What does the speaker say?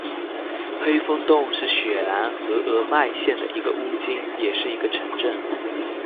黑风洞是雪兰莪鹅唛县的一个巫金也是一个城镇。